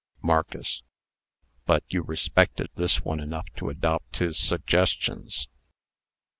MARCUS. "But you respected this one enough to adopt his suggestions."